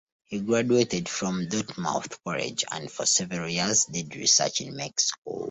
He graduated from Dartmouth College and for several years did research in Mexico.